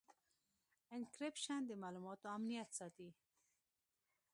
انکریپشن د معلوماتو امنیت ساتي.